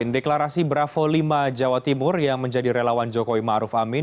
deklarasi bravo lima jawa timur yang menjadi relawan jokowi ma'ruf amin